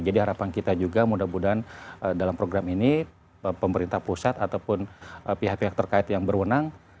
jadi harapan kita juga mudah mudahan dalam program ini pemerintah pusat ataupun pihak pihak terkait yang berwenang